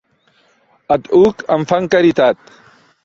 Àdhuc em fan caritat